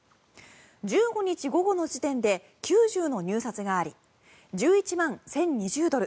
１５日午後の時点で９０の入札があり１１万１０２０ドル